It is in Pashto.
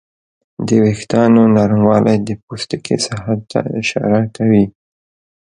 د وېښتیانو نرموالی د پوستکي صحت ته اشاره کوي.